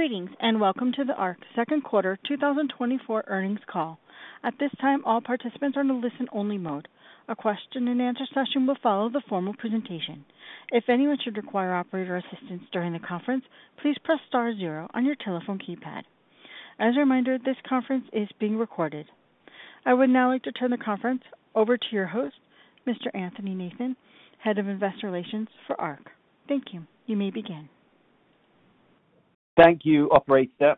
Greetings, and welcome to the Arq second quarter 2024 earnings call. At this time, all participants are in a listen-only mode. A question and answer session will follow the formal presentation. If anyone should require operator assistance during the conference, please press star zero on your telephone keypad. As a reminder, this conference is being recorded. I would now like to turn the conference over to your host, Mr. Anthony Nathan, Head of Investor Relations for Arq. Thank you. You may begin. Thank you, operator.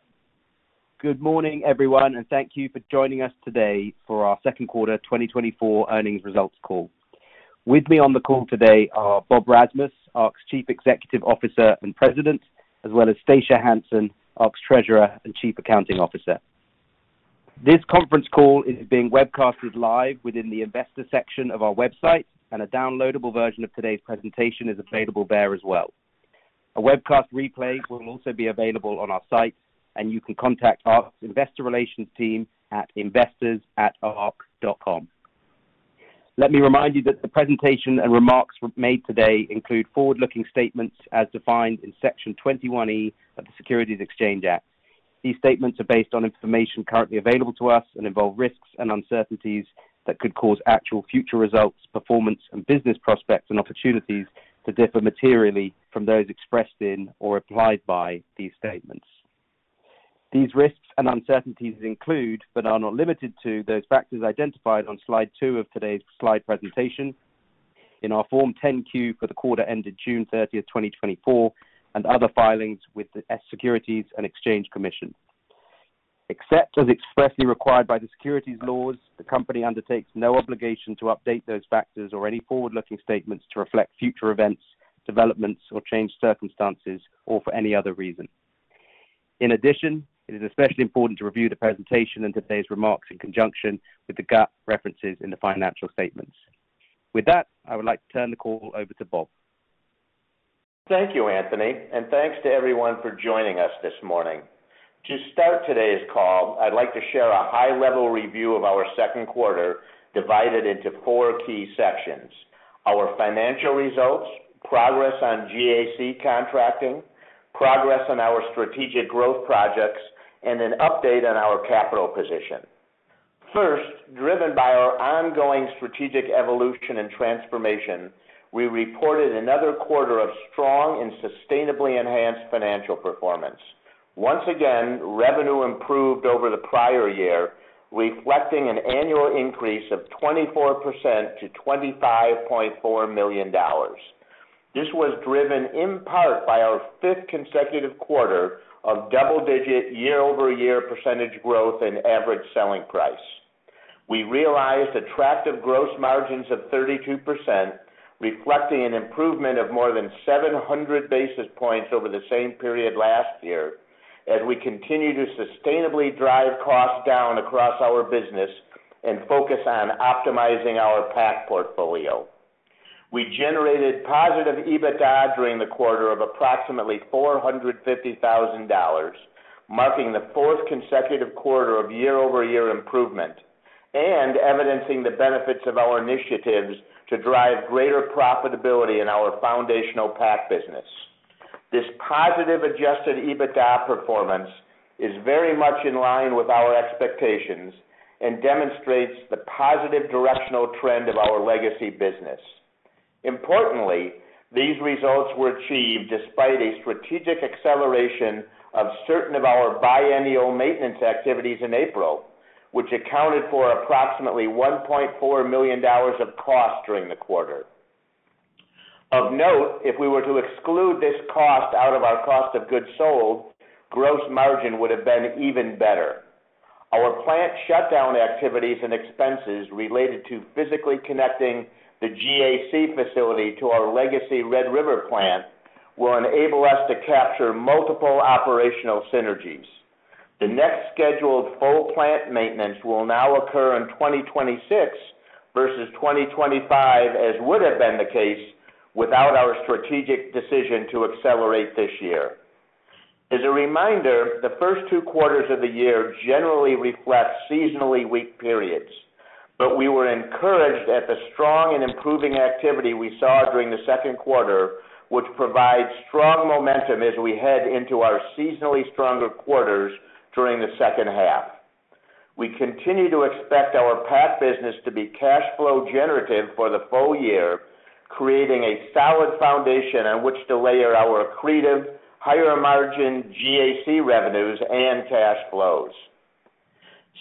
Good morning, everyone, and thank you for joining us today for our second quarter 2024 earnings results call. With me on the call today are Bob Rasmus, Arq's Chief Executive Officer and President, as well as Stacia Hansen, Arq's Treasurer and Chief Accounting Officer. This conference call is being webcasted live within the investor section of our website, and a downloadable version of today's presentation is available there as well. A webcast replay will also be available on our site, and you can contact our Investor Relations team at investors@arq.com. Let me remind you that the presentation and remarks made today include forward-looking statements as defined in Section 21E of the Securities Exchange Act. These statements are based on information currently available to us and involve risks and uncertainties that could cause actual future results, performance, and business prospects and opportunities to differ materially from those expressed in or implied by these statements. These risks and uncertainties include, but are not limited to, those factors identified on slide 2 of today's slide presentation in our Form 10-Q for the quarter ended June 30, 2024, and other filings with the SEC. Except as expressly required by the securities laws, the company undertakes no obligation to update those factors or any forward-looking statements to reflect future events, developments, or changed circumstances, or for any other reason. In addition, it is especially important to review the presentation and today's remarks in conjunction with the GAAP references in the financial statements. With that, I would like to turn the call over to Bob. Thank you, Anthony, and thanks to everyone for joining us this morning. To start today's call, I'd like to share a high-level review of our second quarter, divided into four key sections: our financial results, progress on GAC contracting, progress on our strategic growth projects, and an update on our capital position. First, driven by our ongoing strategic evolution and transformation, we reported another quarter of strong and sustainably enhanced financial performance. Once again, revenue improved over the prior year, reflecting an annual increase of 24% to $25.4 million. This was driven in part by our fifth consecutive quarter of double-digit year-over-year percentage growth and average selling price. We realized attractive gross margins of 32%, reflecting an improvement of more than 700 basis points over the same period last year, as we continue to sustainably drive costs down across our business and focus on optimizing our PAC portfolio. We generated positive EBITDA during the quarter of approximately $450,000, marking the fourth consecutive quarter of year-over-year improvement and evidencing the benefits of our initiatives to drive greater profitability in our foundational PAC business. This positive adjusted EBITDA performance is very much in line with our expectations and demonstrates the positive directional trend of our legacy business. Importantly, these results were achieved despite a strategic acceleration of certain of our biennial maintenance activities in April, which accounted for approximately $1.4 million of cost during the quarter. Of note, if we were to exclude this cost out of our cost of goods sold, gross margin would have been even better. Our plant shutdown activities and expenses related to physically connecting the GAC facility to our legacy Red River Plant will enable us to capture multiple operational synergies. The next scheduled full plant maintenance will now occur in 2026 versus 2025, as would have been the case without our strategic decision to accelerate this year. As a reminder, the first two quarters of the year generally reflect seasonally weak periods, but we were encouraged at the strong and improving activity we saw during the second quarter, which provides strong momentum as we head into our seasonally stronger quarters during the second half. We continue to expect our PAC business to be cash flow generative for the full year, creating a solid foundation on which to layer our accretive, higher-margin GAC revenues and cash flows.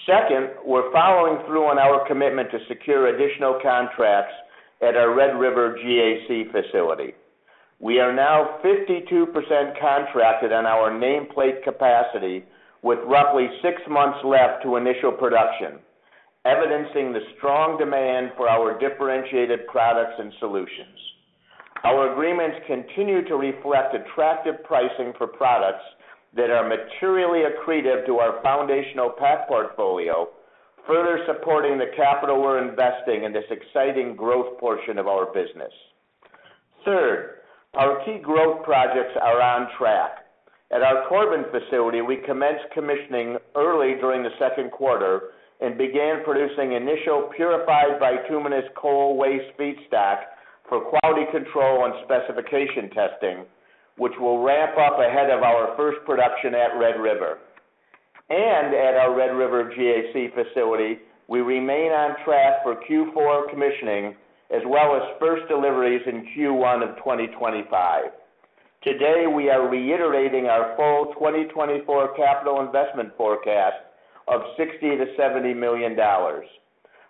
Second, we're following through on our commitment to secure additional contracts at our Red River GAC facility. We are now 52% contracted on our nameplate capacity with roughly 6 months left to initial production, evidencing the strong demand for our differentiated products and solutions. Our agreements continue to reflect attractive pricing for products that are materially accretive to our foundational PAC portfolio, further supporting the capital we're investing in this exciting growth portion of our business. Third, our key growth projects are on track. At our Corbin facility, we commenced commissioning early during the second quarter and began producing initial purified bituminous coal waste feedstock-... for quality control and specification testing, which will ramp up ahead of our first production at Red River. At our Red River GAC facility, we remain on track for Q4 commissioning, as well as first deliveries in Q1 of 2025. Today, we are reiterating our full 2024 capital investment forecast of $60 million-$70 million.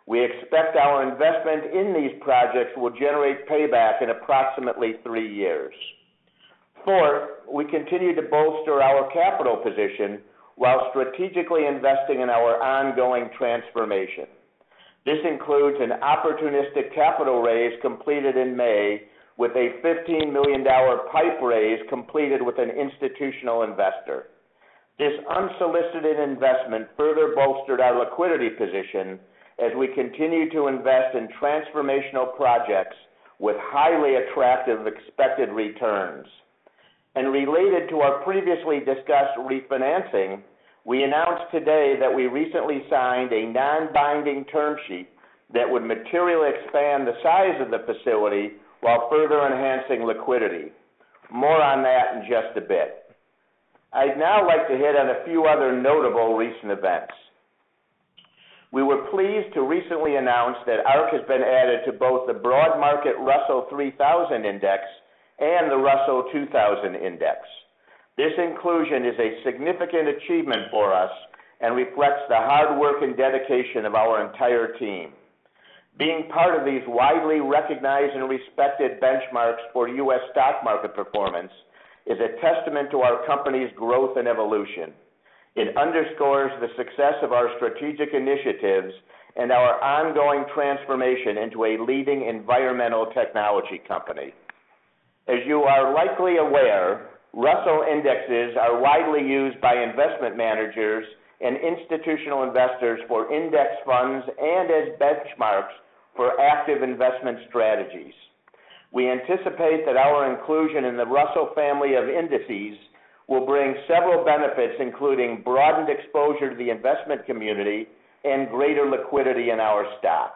We expect our investment in these projects will generate payback in approximately three years. Fourth, we continue to bolster our capital position while strategically investing in our ongoing transformation. This includes an opportunistic capital raise completed in May with a $15 million PIPE raise completed with an institutional investor. This unsolicited investment further bolstered our liquidity position as we continue to invest in transformational projects with highly attractive expected returns. Related to our previously discussed refinancing, we announced today that we recently signed a non-binding term sheet that would materially expand the size of the facility while further enhancing liquidity. More on that in just a bit. I'd now like to hit on a few other notable recent events. We were pleased to recently announce that Arq has been added to both the broad market Russell 3000 Index and the Russell 2000 Index. This inclusion is a significant achievement for us and reflects the hard work and dedication of our entire team. Being part of these widely recognized and respected benchmarks for U.S. stock market performance is a testament to our company's growth and evolution. It underscores the success of our strategic initiatives and our ongoing transformation into a leading environmental technology company. As you are likely aware, Russell Indexes are widely used by investment managers and institutional investors for index funds and as benchmarks for active investment strategies. We anticipate that our inclusion in the Russell family of indices will bring several benefits, including broadened exposure to the investment community and greater liquidity in our stock.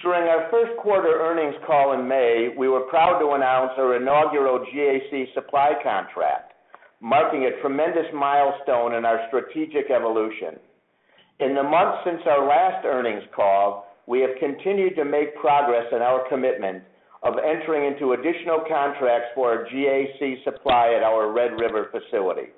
During our first quarter earnings call in May, we were proud to announce our inaugural GAC supply contract, marking a tremendous milestone in our strategic evolution. In the months since our last earnings call, we have continued to make progress in our commitment of entering into additional contracts for our GAC supply at our Red River facility.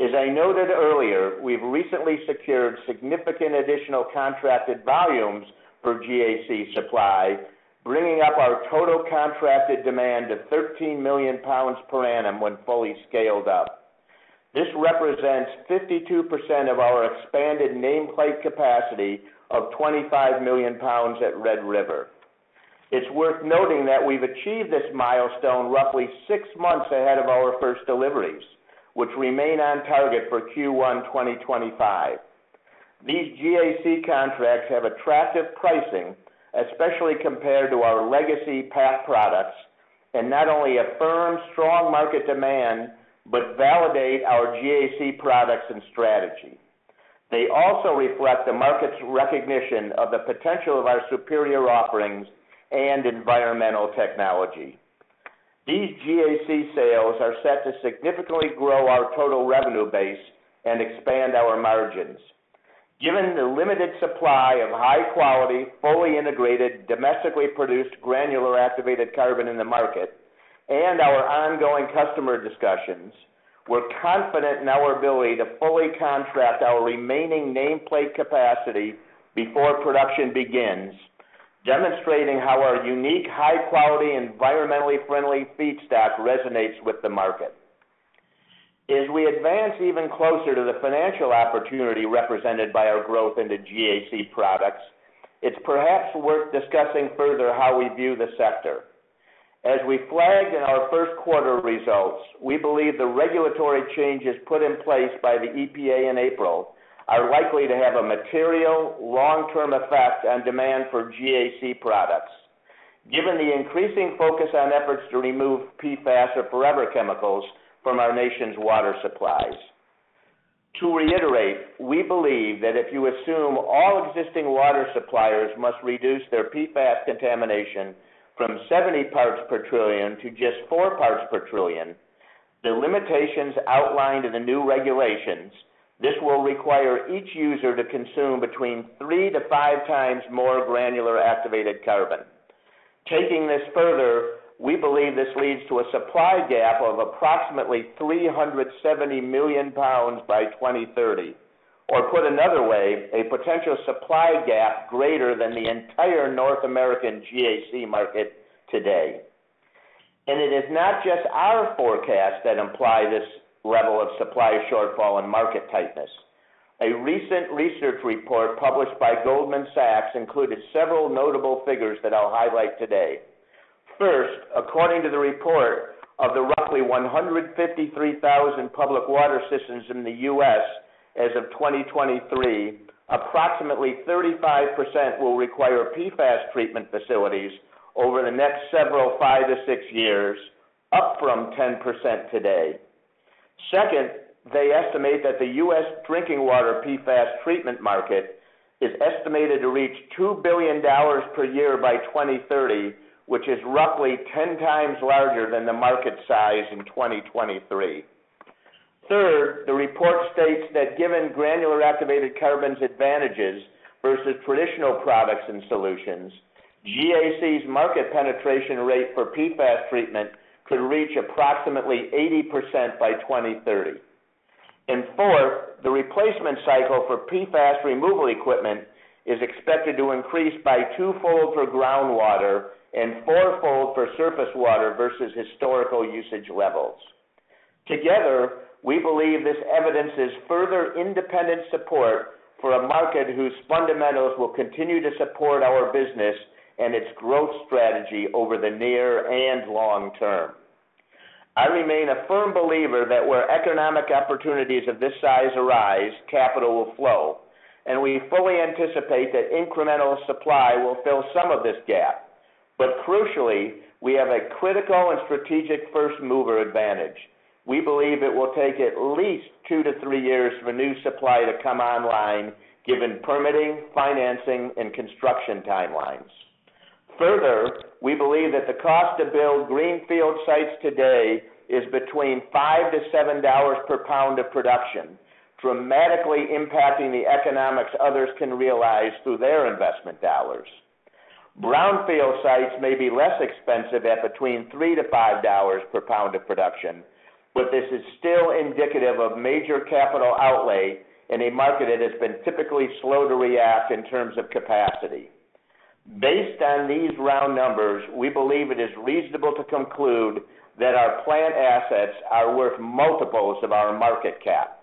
As I noted earlier, we've recently secured significant additional contracted volumes for GAC supply, bringing up our total contracted demand to 13 million lbs per annum when fully scaled up. This represents 52% of our expanded nameplate capacity of 25 million lbs at Red River. It's worth noting that we've achieved this milestone roughly six months ahead of our first deliveries, which remain on target for Q1 2025. These GAC contracts have attractive pricing, especially compared to our legacy PAC products, and not only affirm strong market demand, but validate our GAC products and strategy. They also reflect the market's recognition of the potential of our superior offerings and environmental technology. These GAC sales are set to significantly grow our total revenue base and expand our margins. Given the limited supply of high quality, fully integrated, domestically produced granular activated carbon in the market and our ongoing customer discussions, we're confident in our ability to fully contract our remaining nameplate capacity before production begins, demonstrating how our unique, high quality, environmentally friendly feedstock resonates with the market. As we advance even closer to the financial opportunity represented by our growth into GAC products, it's perhaps worth discussing further how we view the sector. As we flagged in our first quarter results, we believe the regulatory changes put in place by the EPA in April are likely to have a material long-term effect on demand for GAC products, given the increasing focus on efforts to remove PFAS or forever chemicals from our nation's water supplies, to reiterate, we believe that if you assume all existing water suppliers must reduce their PFAS contamination from 70 parts per trillion to just 4 parts per trillion, the limitations outlined in the new regulations, this will require each user to consume between 3-5 times more granular activated carbon. Taking this further, we believe this leads to a supply gap of approximately 370 million lbs by 2030, or put another way, a potential supply gap greater than the entire North American GAC market today. It is not just our forecasts that imply this level of supply shortfall and market tightness. A recent research report published by Goldman Sachs included several notable figures that I'll highlight today. First, according to the report, of the roughly 153,000 public water systems in the U.S. as of 2023, approximately 35% will require PFAS treatment facilities over the next several five to six years, up from 10% today. Second, they estimate that the U.S. drinking water PFAS treatment market is estimated to reach $2 billion per year by 2030, which is roughly 10 times larger than the market size in 2023. Third, the report states that given granular activated carbon's advantages versus traditional products and solutions, GAC's market penetration rate for PFAS treatment could reach approximately 80% by 2030. And fourth, the replacement cycle for PFAS removal equipment is expected to increase by twofold for groundwater and fourfold for surface water versus historical usage levels. Together, we believe this evidence is further independent support for a market whose fundamentals will continue to support our business and its growth strategy over the near and long term. I remain a firm believer that where economic opportunities of this size arise, capital will flow, and we fully anticipate that incremental supply will fill some of this gap. But crucially, we have a critical and strategic first mover advantage. We believe it will take at least 2-3 years for new supply to come online, given permitting, financing, and construction timelines. Further, we believe that the cost to build greenfield sites today is between $5-$7 per pound of production, dramatically impacting the economics others can realize through their investment dollars. Brownfield sites may be less expensive at between $3-$5 per pound of production, but this is still indicative of major capital outlay in a market that has been typically slow to react in terms of capacity. Based on these round numbers, we believe it is reasonable to conclude that our plant assets are worth multiples of our market cap.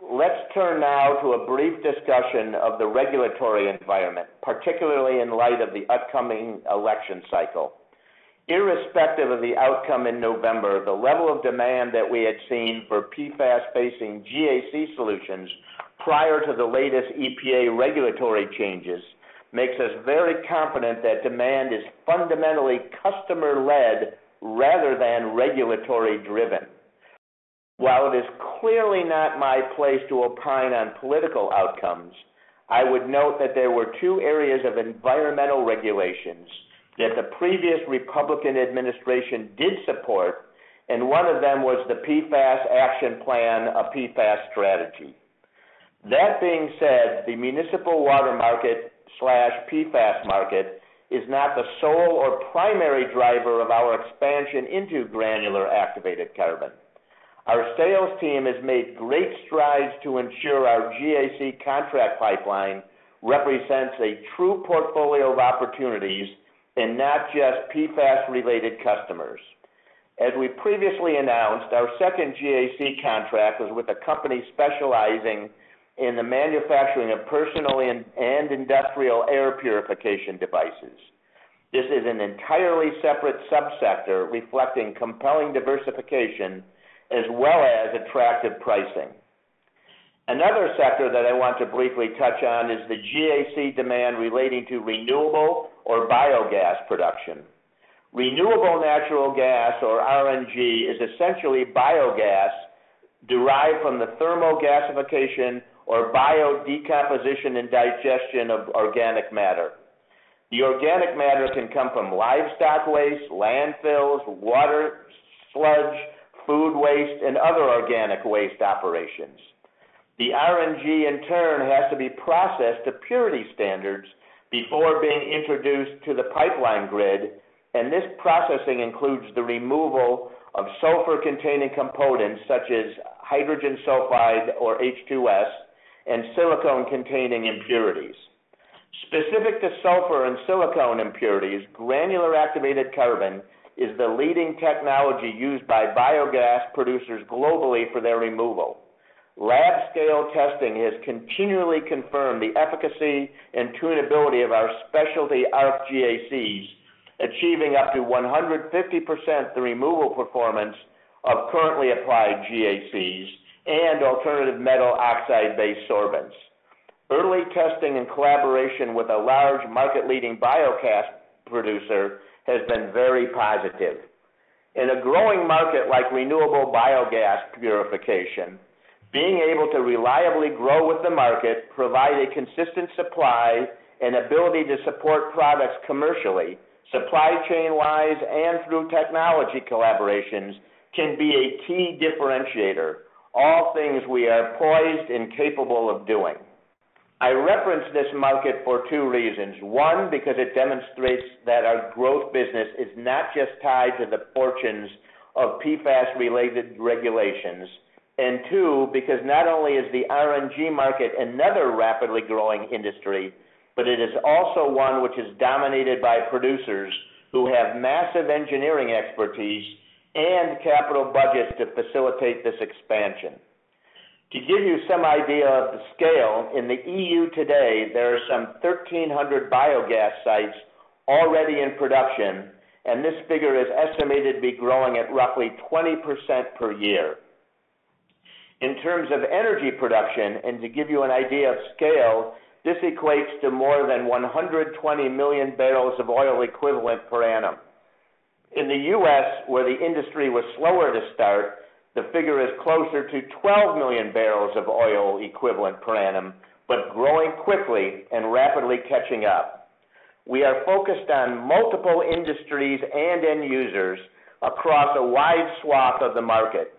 Let's turn now to a brief discussion of the regulatory environment, particularly in light of the upcoming election cycle. Irrespective of the outcome in November, the level of demand that we had seen for PFAS-facing GAC solutions prior to the latest EPA regulatory changes makes us very confident that demand is fundamentally customer-led rather than regulatory-driven. While it is clearly not my place to opine on political outcomes, I would note that there were two areas of environmental regulations that the previous Republican administration did support, and one of them was the PFAS Action Plan, a PFAS strategy. That being said, the municipal water market/PFAS market is not the sole or primary driver of our expansion into granular activated carbon. Our sales team has made great strides to ensure our GAC contract pipeline represents a true portfolio of opportunities and not just PFAS-related customers. As we previously announced, our second GAC contract was with a company specializing in the manufacturing of personal and industrial air purification devices. This is an entirely separate subsector, reflecting compelling diversification as well as attractive pricing. Another sector that I want to briefly touch on is the GAC demand relating to renewable or biogas production. Renewable natural gas, or RNG, is essentially biogas derived from the thermal gasification or bio-decomposition and digestion of organic matter. The organic matter can come from livestock waste, landfills, water, sludge, food waste, and other organic waste operations. The RNG, in turn, has to be processed to purity standards before being introduced to the pipeline grid, and this processing includes the removal of sulfur-containing components, such as hydrogen sulfide or H2S, and siloxane-containing impurities. Specific to sulfur and siloxane impurities, granular activated carbon is the leading technology used by biogas producers globally for their removal. Lab-scale testing has continually confirmed the efficacy and tunability of our specialty Arq GACs, achieving up to 150% the removal performance of currently applied GACs and alternative metal oxide-based sorbents. Early testing and collaboration with a large market-leading biogas producer has been very positive. In a growing market like renewable biogas purification, being able to reliably grow with the market, provide a consistent supply and ability to support products commercially, supply chain-wise, and through technology collaborations, can be a key differentiator, all things we are poised and capable of doing. I reference this market for two reasons. One, because it demonstrates that our growth business is not just tied to the fortunes of PFAS-related regulations. And two, because not only is the RNG market another rapidly growing industry, but it is also one which is dominated by producers who have massive engineering expertise and capital budgets to facilitate this expansion. To give you some idea of the scale, in the EU today, there are some 1,300 biogas sites already in production, and this figure is estimated to be growing at roughly 20% per year. In terms of energy production, and to give you an idea of scale, this equates to more than 120 million bbl of oil equivalent per annum. In the U.S., where the industry was slower to start, the figure is closer to 12 million bbl of oil equivalent per annum, but growing quickly and rapidly catching up. We are focused on multiple industries and end users across a wide swath of the market.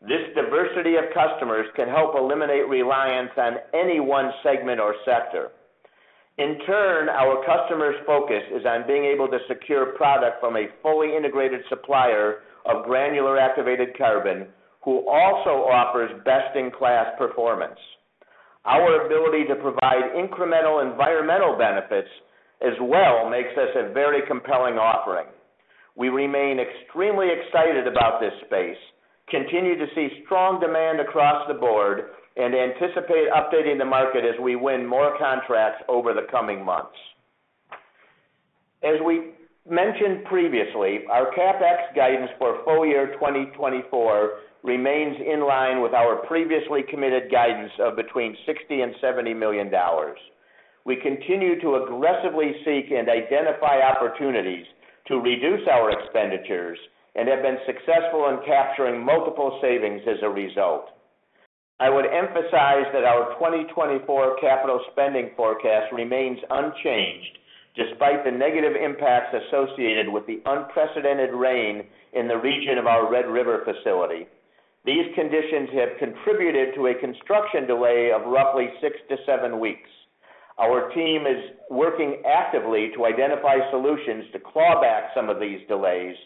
This diversity of customers can help eliminate reliance on any one segment or sector. In turn, our customers' focus is on being able to secure product from a fully integrated supplier of granular activated carbon, who also offers best-in-class performance. Our ability to provide incremental environmental benefits as well, makes this a very compelling offering. We remain extremely excited about this space, continue to see strong demand across the board, and anticipate updating the market as we win more contracts over the coming months. As we mentioned previously, our CapEx guidance for full year 2024 remains in line with our previously committed guidance of between $60 million and $70 million. We continue to aggressively seek and identify opportunities to reduce our expenditures, and have been successful in capturing multiple savings as a result. I would emphasize that our 2024 capital spending forecast remains unchanged, despite the negative impacts associated with the unprecedented rain in the region of our Red River facility. These conditions have contributed to a construction delay of roughly 6-7 weeks. Our team is working actively to identify solutions to claw back some of these delays,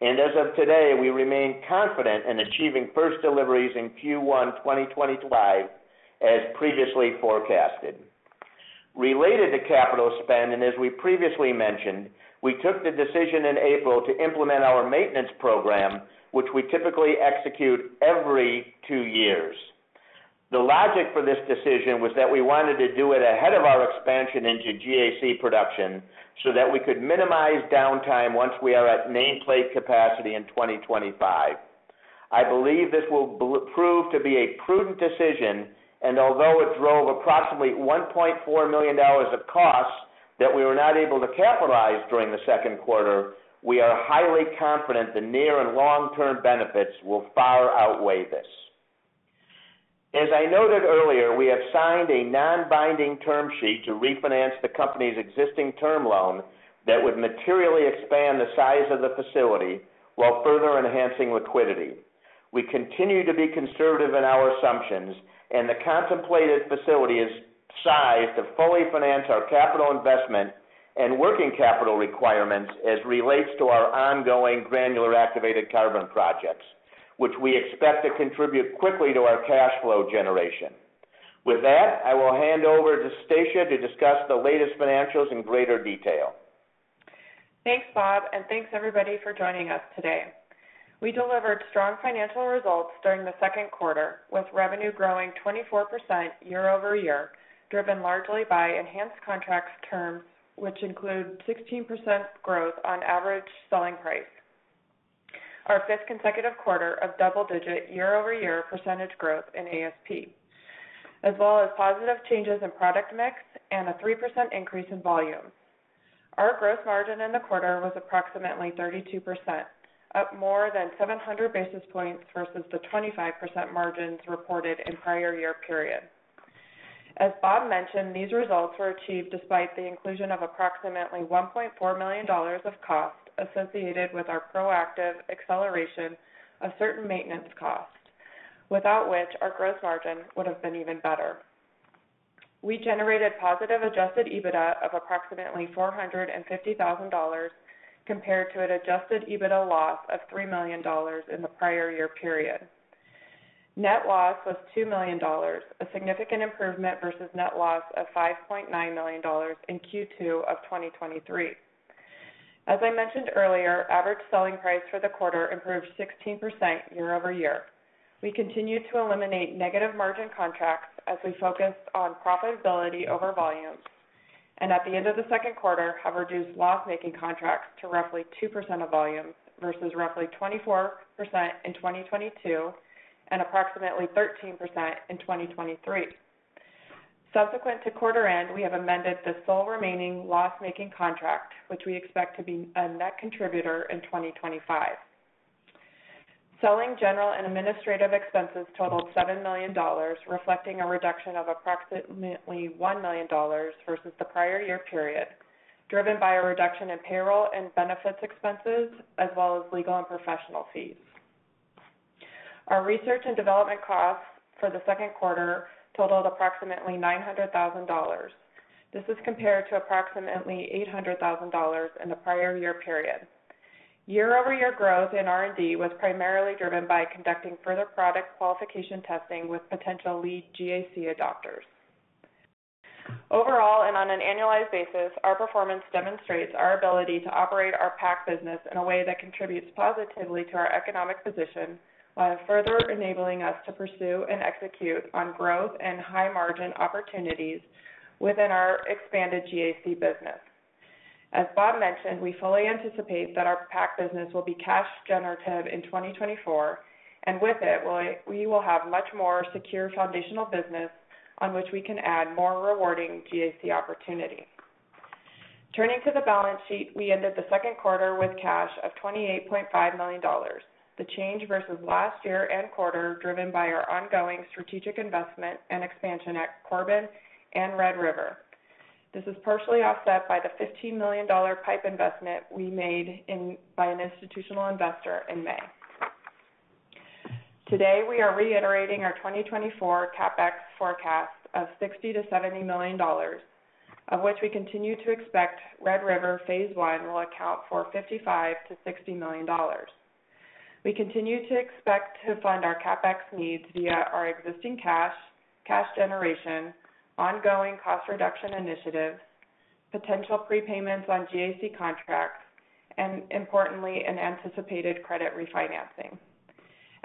and as of today, we remain confident in achieving first deliveries in Q1 2025, as previously forecasted. Related to capital spend, and as we previously mentioned, we took the decision in April to implement our maintenance program, which we typically execute every two years. The logic for this decision was that we wanted to do it ahead of our expansion into GAC production, so that we could minimize downtime once we are at nameplate capacity in 2025. I believe this will prove to be a prudent decision, and although it drove approximately $1.4 million of costs that we were not able to capitalize during the second quarter, we are highly confident the near and long-term benefits will far outweigh this. As I noted earlier, we have signed a non-binding term sheet to refinance the company's existing term loan that would materially expand the size of the facility while further enhancing liquidity. We continue to be conservative in our assumptions, and the contemplated facility is sized to fully finance our capital investment and working capital requirements as relates to our ongoing granular activated carbon projects, which we expect to contribute quickly to our cash flow generation. With that, I will hand over to Stacia to discuss the latest financials in greater detail. Thanks, Bob, and thanks everybody for joining us today. We delivered strong financial results during the second quarter, with revenue growing 24% year-over-year, driven largely by enhanced contracts terms, which include 16% growth on average selling price. Our fifth consecutive quarter of double-digit year-over-year percentage growth in ASP, as well as positive changes in product mix and a 3% increase in volume. Our gross margin in the quarter was approximately 32%, up more than 700 basis points versus the 25% margins reported in prior year period. As Bob mentioned, these results were achieved despite the inclusion of approximately $1.4 million of cost associated with our proactive acceleration of certain maintenance costs, without which our gross margin would have been even better. We generated positive adjusted EBITDA of approximately $450,000, compared to an adjusted EBITDA loss of $3 million in the prior year period. Net loss was $2 million, a significant improvement versus net loss of $5.9 million in Q2 of 2023. As I mentioned earlier, average selling price for the quarter improved 16% year-over-year. We continued to eliminate negative margin contracts as we focused on profitability over volume, and at the end of the second quarter, have reduced loss-making contracts to roughly 2% of volume versus roughly 24% in 2022, and approximately 13% in 2023. Subsequent to quarter end, we have amended the sole remaining loss-making contract, which we expect to be a net contributor in 2025. Selling, general, and administrative expenses totaled $7 million, reflecting a reduction of approximately $1 million versus the prior year period, driven by a reduction in payroll and benefits expenses, as well as legal and professional fees. Our research and development costs for the second quarter totaled approximately $900,000. This is compared to approximately $800,000 in the prior year period. Year-over-year growth in R&D was primarily driven by conducting further product qualification testing with potential lead GAC adopters. Overall, and on an annualized basis, our performance demonstrates our ability to operate our PAC business in a way that contributes positively to our economic position, while further enabling us to pursue and execute on growth and high margin opportunities within our expanded GAC business. As Bob mentioned, we fully anticipate that our PAC business will be cash generative in 2024, and with it, we will have much more secure foundational business on which we can add more rewarding GAC opportunity. Turning to the balance sheet, we ended the second quarter with cash of $28.5 million. The change versus last year and quarter, driven by our ongoing strategic investment and expansion at Corbin and Red River. This is partially offset by the $15 million PIPE investment we made by an institutional investor in May. Today, we are reiterating our 2024 CapEx forecast of $60 million-$70 million, of which we continue to expect Red River phase one will account for $55 million-$60 million. We continue to expect to fund our CapEx needs via our existing cash, cash generation, ongoing cost reduction initiatives, potential prepayments on GAC contracts, and importantly, an anticipated credit refinancing.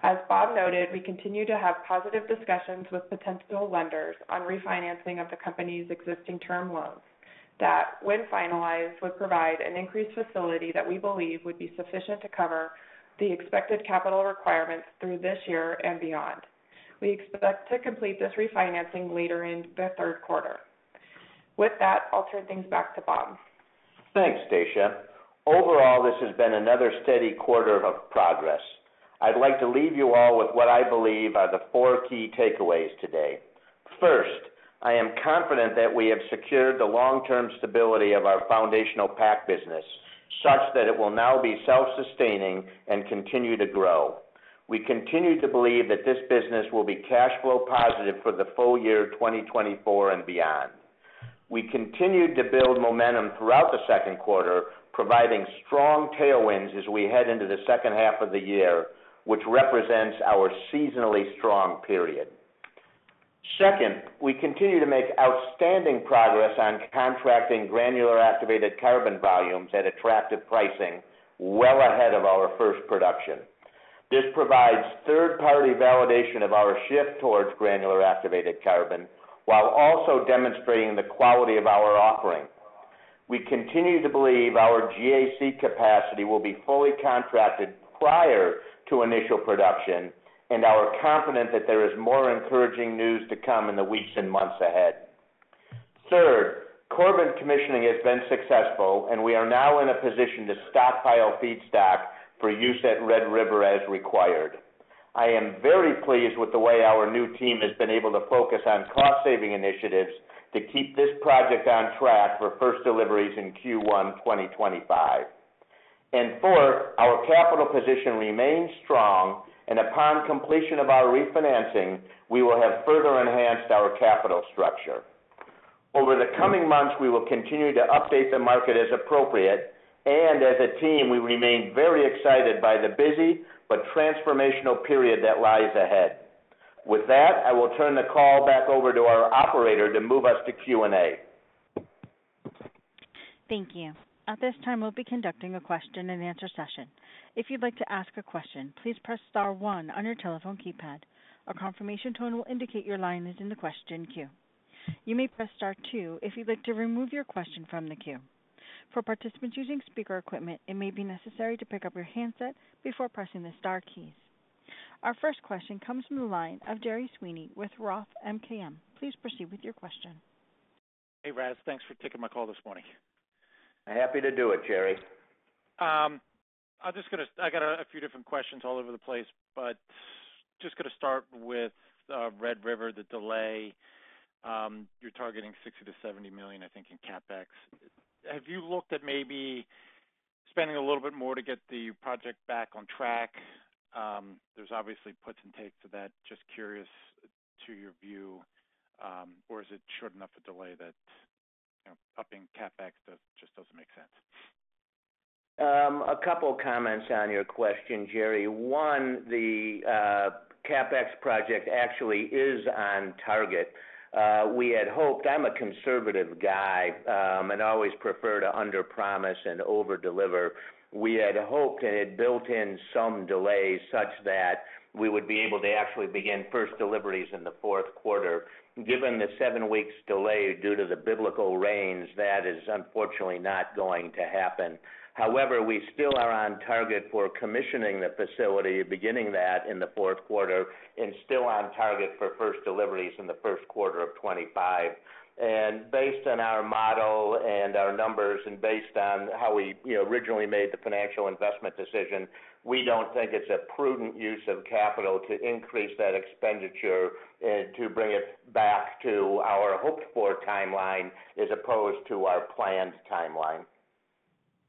As Bob noted, we continue to have positive discussions with potential lenders on refinancing of the company's existing term loans, that when finalized, would provide an increased facility that we believe would be sufficient to cover the expected capital requirements through this year and beyond. We expect to complete this refinancing later in the third quarter. With that, I'll turn things back to Bob. Thanks, Stacia. Overall, this has been another steady quarter of progress. I'd like to leave you all with what I believe are the four key takeaways today. First, I am confident that we have secured the long-term stability of our foundational PAC business, such that it will now be self-sustaining and continue to grow. We continue to believe that this business will be cash flow positive for the full year 2024 and beyond. We continued to build momentum throughout the second quarter, providing strong tailwinds as we head into the second half of the year, which represents our seasonally strong period. Second, we continue to make outstanding progress on contracting granular activated carbon volumes at attractive pricing, well ahead of our first production. This provides third-party validation of our shift towards granular activated carbon, while also demonstrating the quality of our offering. We continue to believe our GAC capacity will be fully contracted prior to initial production, and are confident that there is more encouraging news to come in the weeks and months ahead. Third, Corbin commissioning has been successful, and we are now in a position to stockpile feedstock for use at Red River as required. I am very pleased with the way our new team has been able to focus on cost-saving initiatives to keep this project on track for first deliveries in Q1 2025. And fourth, our capital position remains strong, and upon completion of our refinancing, we will have further enhanced our capital structure. Over the coming months, we will continue to update the market as appropriate, and as a team, we remain very excited by the busy but transformational period that lies ahead. With that, I will turn the call back over to our operator to move us to Q&A. Thank you. At this time, we'll be conducting a question-and-answer session. If you'd like to ask a question, please press star one on your telephone keypad. A confirmation tone will indicate your line is in the question queue. You may press star two if you'd like to remove your question from the queue. For participants using speaker equipment, it may be necessary to pick up your handset before pressing the star keys. Our first question comes from the line of Gerry Sweeney with Roth MKM. Please proceed with your question. Hey, Ras, thanks for taking my call this morning. Happy to do it, Gerry. I'm just gonna—I got a few different questions all over the place, but just gonna start with Red River, the delay. You're targeting $60 million-$70 million, I think, in CapEx. Have you looked at maybe spending a little bit more to get the project back on track? There's obviously puts and takes to that. Just curious to your view, or is it short enough a delay that, you know, upping CapEx just doesn't make sense? A couple of comments on your question, Jerry. One, the CapEx project actually is on target. We had hoped... I'm a conservative guy, and always prefer to underpromise and overdeliver. We had hoped and had built in some delays such that we would be able to actually begin first deliveries in the fourth quarter. Given the seven weeks delay due to the biblical rains, that is unfortunately not going to happen. However, we still are on target for commissioning the facility, beginning that in the fourth quarter, and still on target for first deliveries in the first quarter of 2025. Based on our model and our numbers, and based on how we, you know, originally made the financial investment decision, we don't think it's a prudent use of capital to increase that expenditure to bring it back to our hoped-for timeline, as opposed to our planned timeline.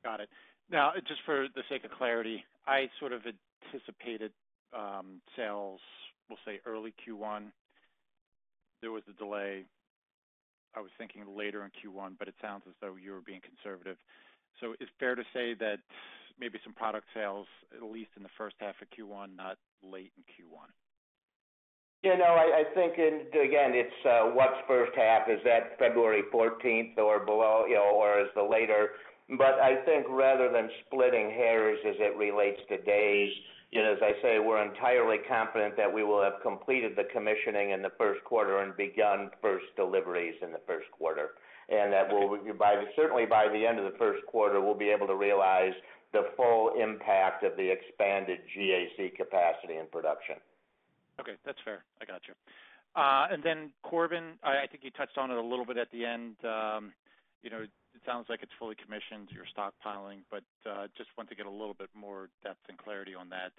Got it. Now, just for the sake of clarity, I sort of anticipated, sales, we'll say, early Q1. There was a delay. I was thinking later in Q1, but it sounds as though you were being conservative. So it's fair to say that maybe some product sales, at least in the first half of Q1, not late in Q1?... You know, I think, and again, it's what's first half? Is that February 14th or below, you know, or is the latter? But I think rather than splitting hairs as it relates to days, you know, as I say, we're entirely confident that we will have completed the commissioning in the first quarter and begun first deliveries in the first quarter. And that we'll certainly by the end of the first quarter, we'll be able to realize the full impact of the expanded GAC capacity and production. Okay, that's fair. I got you. And then Corbin, I think you touched on it a little bit at the end. You know, it sounds like it's fully commissioned, you're stockpiling, but just want to get a little bit more depth and clarity on that.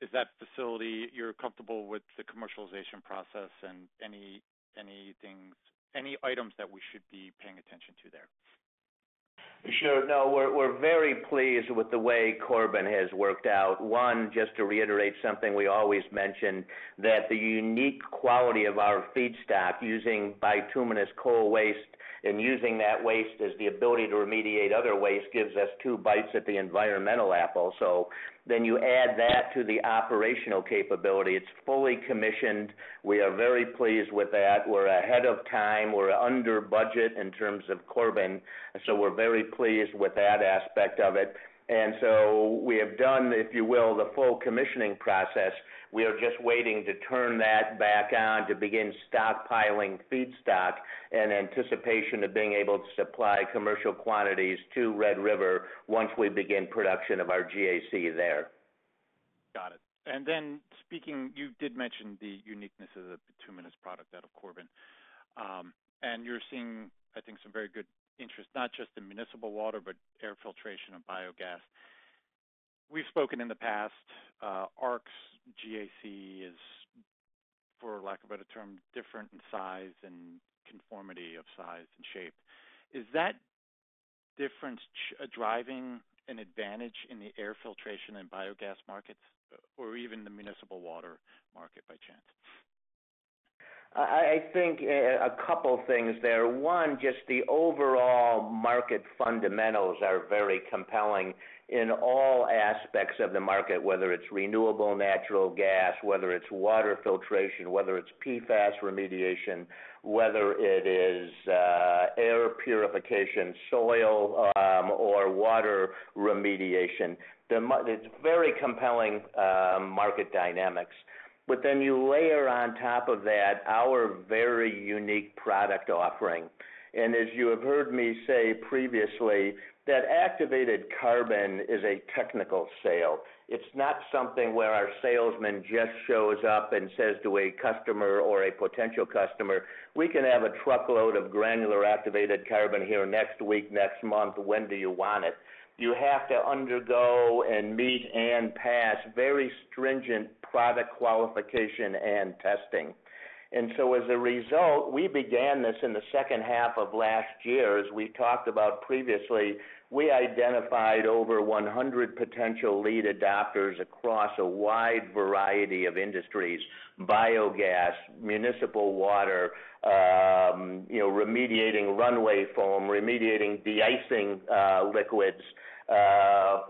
Is that facility you're comfortable with the commercialization process and anything, any items that we should be paying attention to there? Sure. No, we're, we're very pleased with the way Corbin has worked out. One, just to reiterate something we always mention, that the unique quality of our feedstock, using bituminous coal waste and using that waste as the ability to remediate other waste, gives us two bites at the environmental apple. So then you add that to the operational capability. It's fully commissioned. We are very pleased with that. We're ahead of time. We're under budget in terms of Corbin, so we're very pleased with that aspect of it. And so we have done, if you will, the full commissioning process. We are just waiting to turn that back on to begin stockpiling feedstock in anticipation of being able to supply commercial quantities to Red River once we begin production of our GAC there. Got it. Then speaking, you did mention the uniqueness of the bituminous product out of Corbin. And you're seeing, I think, some very good interest, not just in municipal water, but air filtration and biogas. We've spoken in the past. Arq's GAC is, for lack of a better term, different in size and conformity of size and shape. Is that difference driving an advantage in the air filtration and biogas markets, or even the municipal water market, by chance? I think a couple things there. One, just the overall market fundamentals are very compelling in all aspects of the market, whether it's renewable natural gas, whether it's water filtration, whether it's PFAS remediation, whether it is air purification, soil, or water remediation. It's very compelling market dynamics. But then you layer on top of that our very unique product offering. And as you have heard me say previously, that activated carbon is a technical sale. It's not something where our salesman just shows up and says to a customer or a potential customer, "We can have a truckload of granular activated carbon here next week, next month. When do you want it?" You have to undergo and meet and pass very stringent product qualification and testing. As a result, we began this in the second half of last year, as we talked about previously. We identified over 100 potential lead adopters across a wide variety of industries: biogas, municipal water, you know, remediating runway foam, remediating de-icing liquids,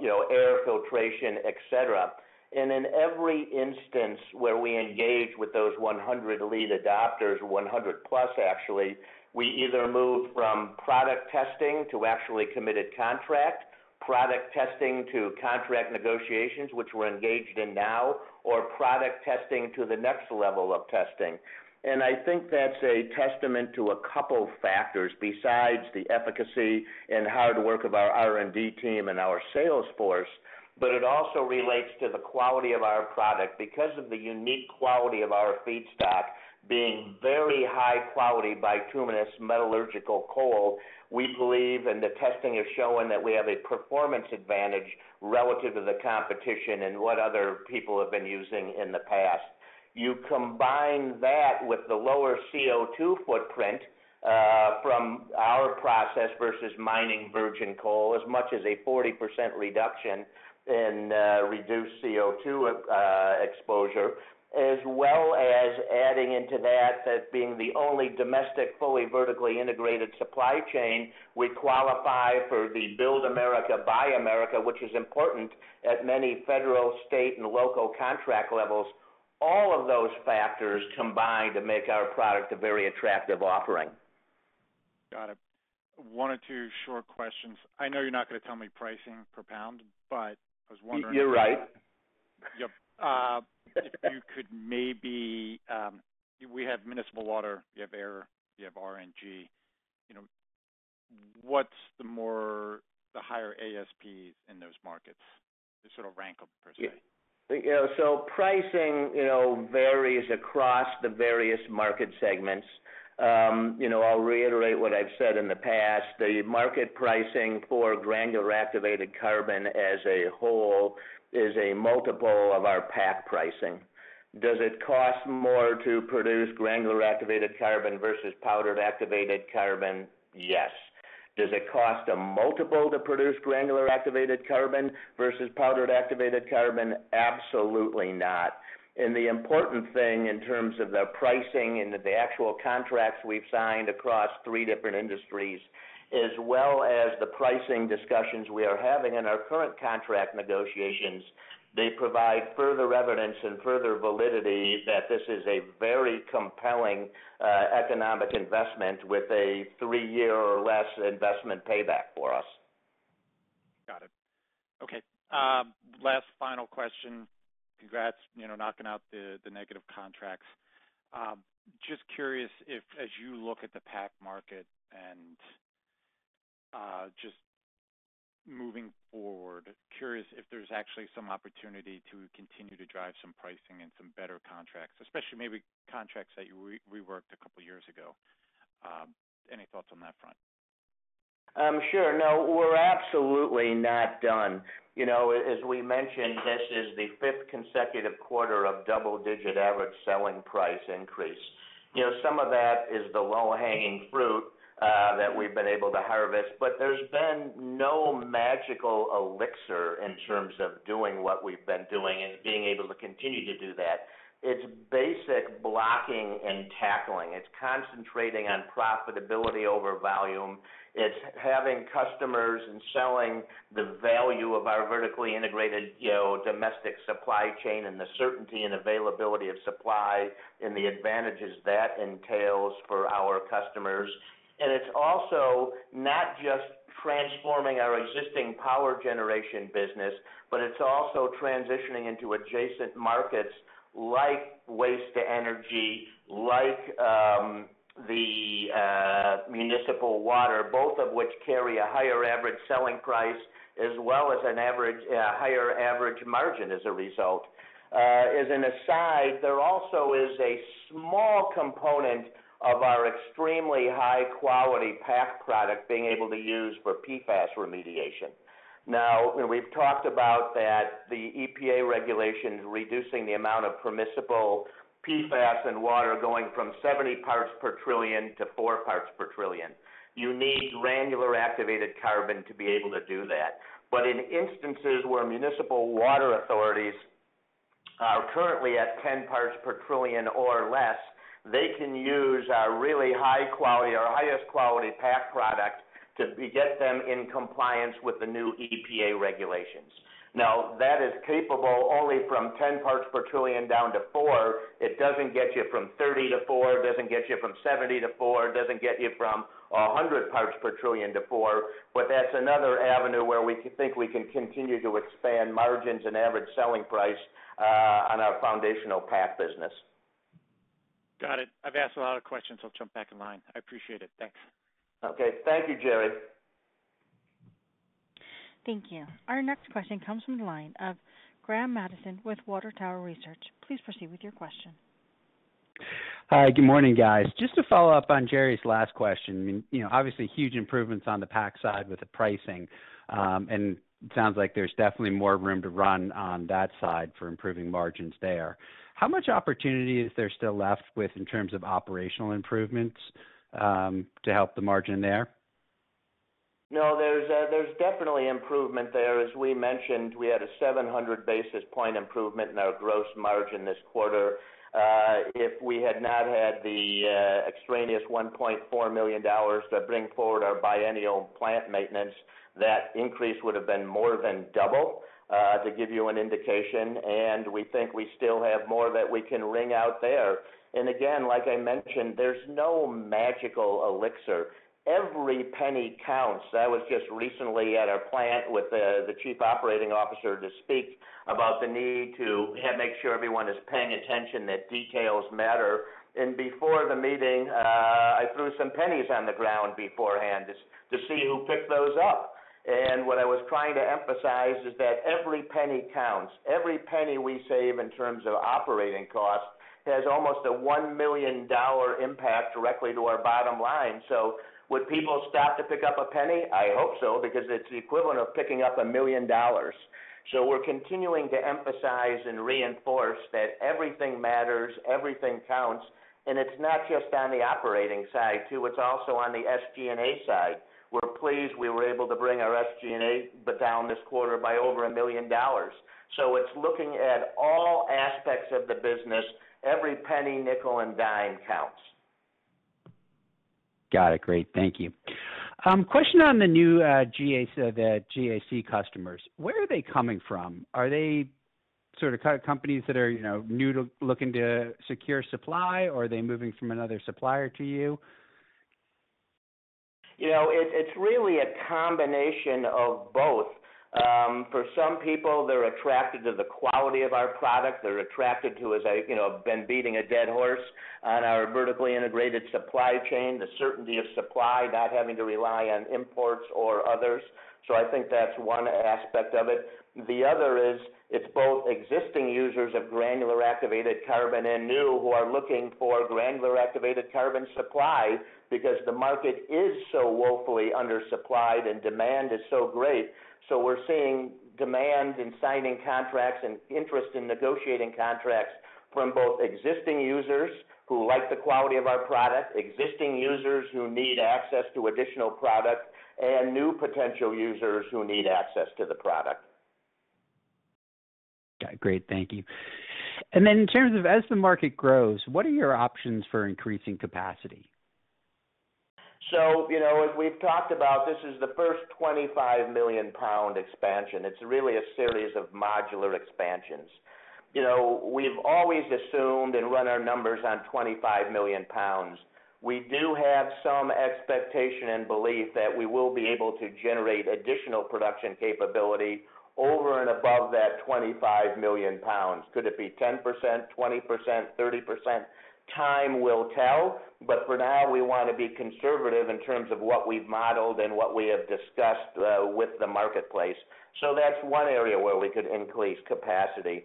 you know, air filtration, et cetera. And in every instance where we engage with those 100 lead adopters, 100+ actually, we either move from product testing to actually committed contract, product testing to contract negotiations, which we're engaged in now, or product testing to the next level of testing. And I think that's a testament to a couple factors besides the efficacy and hard work of our R&D team and our sales force, but it also relates to the quality of our product. Because of the unique quality of our feedstock, being very high quality bituminous metallurgical coal, we believe, and the testing is showing, that we have a performance advantage relative to the competition and what other people have been using in the past. You combine that with the lower CO2 footprint, from our process versus mining virgin coal, as much as a 40% reduction in, reduced CO2, exposure, as well as adding into that, that being the only domestic, fully vertically integrated supply chain, we qualify for the Build America, Buy America, which is important at many federal, state, and local contract levels. All of those factors combine to make our product a very attractive offering. Got it. One or two short questions. I know you're not gonna tell me pricing per pound, but I was wondering- You're right. Yep. If you could maybe... We have municipal water, you have air, you have RNG. You know, what's the more, the higher ASPs in those markets? Just sort of rank them per se. Yeah. So pricing, you know, varies across the various market segments. You know, I'll reiterate what I've said in the past. The market pricing for granular activated carbon as a whole is a multiple of our PAC pricing. Does it cost more to produce granular activated carbon versus powdered activated carbon? Yes. Does it cost a multiple to produce granular activated carbon versus powdered activated carbon? Absolutely not. And the important thing in terms of the pricing and the actual contracts we've signed across three different industries, as well as the pricing discussions we are having in our current contract negotiations,... they provide further evidence and further validity that this is a very compelling economic investment with a three-year or less investment payback for us. Got it. Okay, last final question. Congrats, you know, knocking out the negative contracts. Just curious if as you look at the PAC market and just moving forward, curious if there's actually some opportunity to continue to drive some pricing and some better contracts, especially maybe contracts that you reworked a couple of years ago. Any thoughts on that front? Sure. No, we're absolutely not done. You know, as we mentioned, this is the fifth consecutive quarter of double-digit average selling price increase. You know, some of that is the low-hanging fruit that we've been able to harvest, but there's been no magical elixir in terms of doing what we've been doing and being able to continue to do that. It's basic blocking and tackling. It's concentrating on profitability over volume. It's having customers and selling the value of our vertically integrated, you know, domestic supply chain and the certainty and availability of supply and the advantages that entails for our customers. It's also not just transforming our existing power generation business, but it's also transitioning into adjacent markets like waste to energy, like municipal water, both of which carry a higher average selling price, as well as a higher average margin as a result. As an aside, there also is a small component of our extremely high-quality PAC product being able to use for PFAS remediation. Now, we've talked about that the EPA regulation, reducing the amount of permissible PFAS and water going from 70 parts per trillion to 4 parts per trillion. You need granular activated carbon to be able to do that. But in instances where municipal water authorities are currently at 10 parts per trillion or less, they can use our really high quality or highest quality PAC product to get them in compliance with the new EPA regulations. Now, that is capable only from 10 parts per trillion down to 4. It doesn't get you from 30-4, it doesn't get you from 70-4, it doesn't get you from 100 parts per trillion-4, but that's another avenue where we think we can continue to expand margins and average selling price on our foundational PAC business. Got it. I've asked a lot of questions. I'll jump back in line. I appreciate it. Thanks. Okay. Thank you, Gerry. Thank you. Our next question comes from the line of Graham Mattison with Water Tower Research. Please proceed with your question. Hi, good morning, guys. Just to follow up on Gerry's last question, you know, obviously, huge improvements on the PAC side with the pricing, and it sounds like there's definitely more room to run on that side for improving margins there. How much opportunity is there still left with in terms of operational improvements, to help the margin there? No, there's definitely improvement there. As we mentioned, we had a 700 basis points improvement in our gross margin this quarter. If we had not had the extraneous $1.4 million that brought forward our biennial plant maintenance, that increase would have been more than double, to give you an indication, and we think we still have more that we can wring out there. And again, like I mentioned, there's no magical elixir. Every penny counts. I was just recently at a plant with the Chief Operating Officer to speak about the need to make sure everyone is paying attention, that details matter. And before the meeting, I threw some pennies on the ground beforehand to see who picked those up. And what I was trying to emphasize is that every penny counts. Every penny we save in terms of operating costs has almost a $1 million impact directly to our bottom line. So would people stop to pick up a penny? I hope so, because it's the equivalent of picking up $1 million. So we're continuing to emphasize and reinforce that everything matters, everything counts, and it's not just on the operating side, too, it's also on the SG&A side. We're pleased we were able to bring our SG&A down this quarter by over $1 million. So it's looking at all aspects of the business. Every penny, nickel, and dime counts. Got it. Great. Thank you. Question on the new, GA, the GAC customers. Where are they coming from? Are they sort of kind of companies that are, you know, new to looking to secure supply, or are they moving from another supplier to you? You know, it's really a combination of both. For some people, they're attracted to the quality of our product, they're attracted to, as I, you know, have been beating a dead horse on our vertically integrated supply chain, the certainty of supply, not having to rely on imports or others. So I think that's one aspect of it. The other is, it's both existing users of granular activated carbon and new, who are looking for granular activated carbon supplies because the market is so woefully undersupplied and demand is so great. So we're seeing demand in signing contracts and interest in negotiating contracts from both existing users who like the quality of our product, existing users who need access to additional product, and new potential users who need access to the product. Got it. Great, thank you. And then in terms of as the market grows, what are your options for increasing capacity? ...So, you know, as we've talked about, this is the first 25 million lbs expansion. It's really a series of modular expansions. You know, we've always assumed and run our numbers on 25 million lbs. We do have some expectation and belief that we will be able to generate additional production capability over and above that 25 million lbs. Could it be 10%, 20%, 30%? Time will tell, but for now, we wanna be conservative in terms of what we've modeled and what we have discussed with the marketplace. So that's one area where we could increase capacity.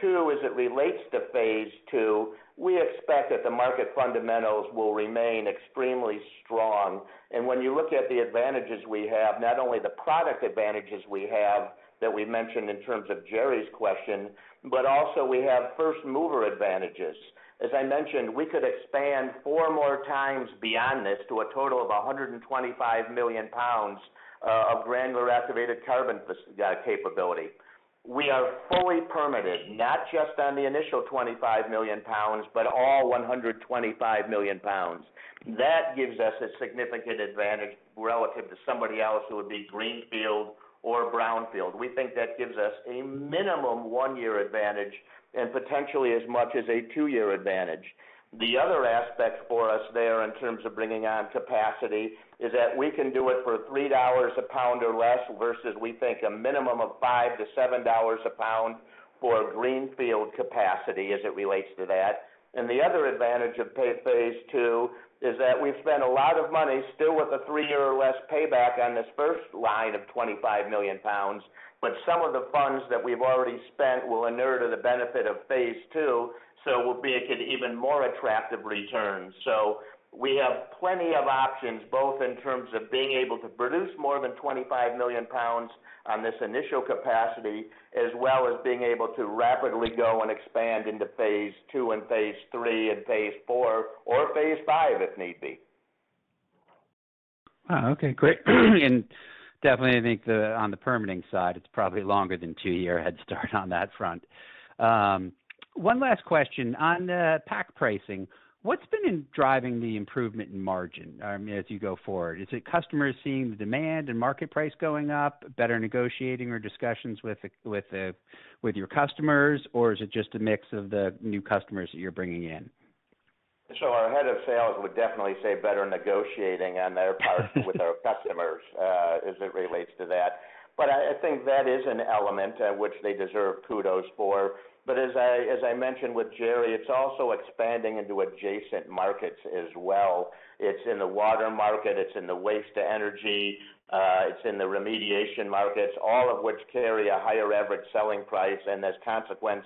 Two, as it relates to phase two, we expect that the market fundamentals will remain extremely strong. When you look at the advantages we have, not only the product advantages we have, that we mentioned in terms of Gerry's question, but also we have first mover advantages. As I mentioned, we could expand four more times beyond this to a total of 125 million lbs of granular activated carbon capability. We are fully permitted, not just on the initial 25 million lbs, but all 125 million lbs. That gives us a significant advantage relative to somebody else who would be greenfield or brownfield. We think that gives us a minimum one-year advantage and potentially as much as a two-year advantage. The other aspect for us there, in terms of bringing on capacity, is that we can do it for $3 a pound or less, versus, we think, a minimum of $5-$7 a pound for a greenfield capacity as it relates to that. The other advantage of phase two is that we've spent a lot of money, still with a 3-year or less payback on this first line of 25 million lbs, but some of the funds that we've already spent will inure to the benefit of phase two, so will be an even more attractive return. We have plenty of options, both in terms of being able to produce more than 25 million lbs on this initial capacity, as well as being able to rapidly go and expand into phase two and phase three and phase four, or phase five, if need be. Okay, great. And definitely, I think, on the permitting side, it's probably longer than two-year head start on that front. One last question. On PAC pricing, what's been driving the improvement in margin as you go forward? Is it customers seeing the demand and market price going up, better negotiating or discussions with the, with your customers? Or is it just a mix of the new customers that you're bringing in? So our head of sales would definitely say better negotiating on their part with our customers, as it relates to that. But I, I think that is an element at which they deserve kudos for. But as I, as I mentioned with Gerry, it's also expanding into adjacent markets as well. It's in the water market, it's in the waste to energy, it's in the remediation markets, all of which carry a higher average selling price and as a consequence,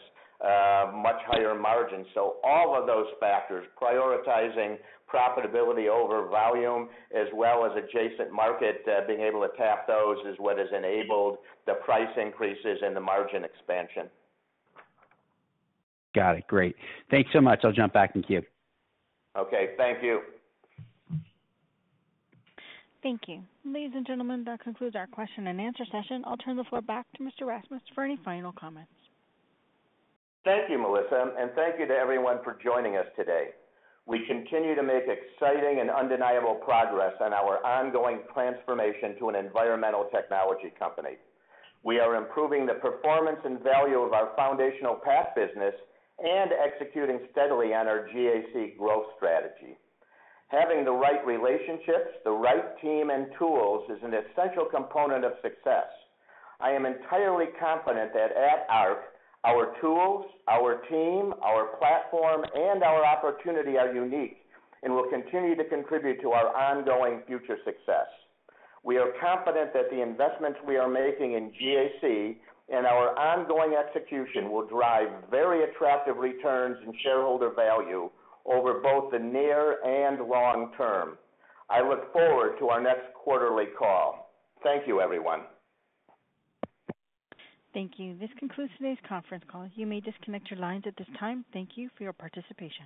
much higher margins. So all of those factors, prioritizing profitability over volume, as well as adjacent market, being able to tap those, is what has enabled the price increases and the margin expansion. Got it. Great. Thanks so much. I'll jump back in queue. Okay, thank you. Thank you. Ladies and gentlemen, that concludes our question and answer session. I'll turn the floor back to Mr. Rasmus for any final comments. Thank you, Melissa, and thank you to everyone for joining us today. We continue to make exciting and undeniable progress on our ongoing transformation to an environmental technology company. We are improving the performance and value of our foundational PAC business and executing steadily on our GAC growth strategy. Having the right relationships, the right team and tools is an essential component of success. I am entirely confident that at Arq, our tools, our team, our platform, and our opportunity are unique and will continue to contribute to our ongoing future success. We are confident that the investments we are making in GAC and our ongoing execution will drive very attractive returns and shareholder value over both the near and long term. I look forward to our next quarterly call. Thank you, everyone. Thank you. This concludes today's conference call. You may disconnect your lines at this time. Thank you for your participation.